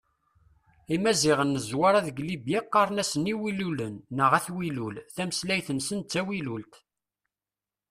Imaziɣen n Zwaṛa deg Libya qqaren-asen Iwilulen neɣ At Wilul, tameslayt-nsen d tawilult.